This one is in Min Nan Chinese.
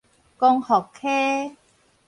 光復溪